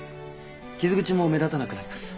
傷口も目立たなくなります。